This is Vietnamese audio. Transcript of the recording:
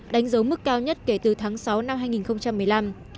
đánh dấu mức cao nhất kể từ tháng sáu năm hai nghìn một mươi năm